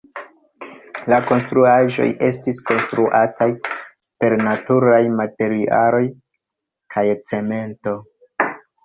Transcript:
La konstruaĵoj estis konstruataj per naturaj materialoj kaj cemento.